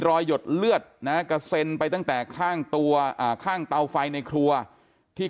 หยดเลือดนะกระเซ็นไปตั้งแต่ข้างตัวอ่าข้างเตาไฟในครัวที่